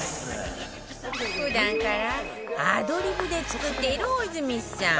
普段からアドリブで作っている大泉さん